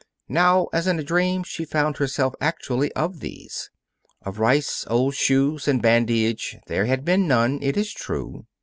Now, as in a dream, she found herself actually of these. Of rice, old shoes, and badinage there had been none, it is true.